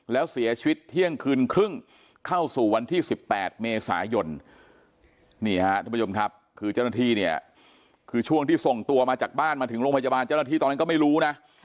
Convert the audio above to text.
แล้วเสียชีวิตเที่ยงคืนครึ่งเข้าสู่วันที่๑๘เมษายนนี่ฮะทุกผู้ชมครับคือเจ้าหน้าที่เนี่ยคือช่วงที่ส่งตัวมาจากบ้านมาถึงโรงพยาบาลเจ้าหน้าที่ตอนนั้นก็ไม่รู้นะ